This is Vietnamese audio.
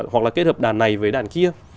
hoặc là kết hợp đàn này với đàn kia